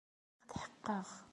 Lliɣ tḥeqqeɣ.